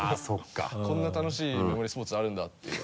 こんな楽しいメモリースポーツあるんだっていう。